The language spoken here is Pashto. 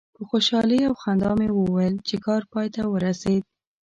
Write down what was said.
په خوشحالي او خندا مې وویل چې کار پای ته ورسید.